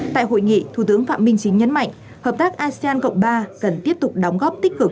tại hội nghị thủ tướng phạm minh chính nhấn mạnh hợp tác asean cộng ba cần tiếp tục đóng góp tích cực